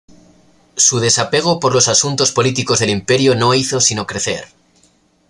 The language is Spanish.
Su desapego por los asuntos políticos del imperio no hizo sino crecer.